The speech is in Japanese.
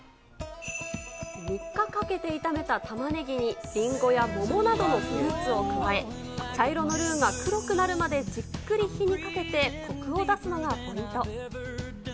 ３日かけて炒めたたまねぎにりんごや桃などのフルーツを加え、茶色のルウが黒くなるまでじっくり火にかけてこくを出すのがポイント。